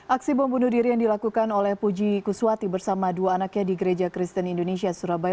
aksi bom bunuh diri yang dilakukan oleh puji kuswati bersama dua anaknya di gereja kristen indonesia surabaya